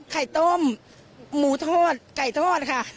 ไข่ต้มหมูทอดไก่ทอดค่ะ